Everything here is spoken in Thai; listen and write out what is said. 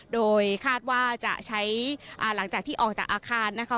โดยคาดว่าจะใช้หลังจากที่ออกจากอาคารนะคะ